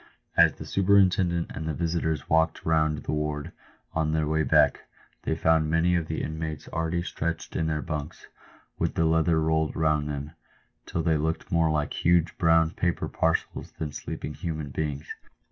As the superintendent and the visitors walked round the ward on their way back, they found many of the inmates already stretched in their bunks, with the leather rolled round them, till they looked more like huge brown paper parcels than sleeping human beings.